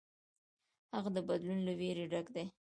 هغه د بدلون له ویرې ډک دی.